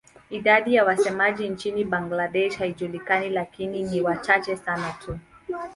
Idadi ya wasemaji nchini Bangladesh haijulikani lakini ni wachache sana tu.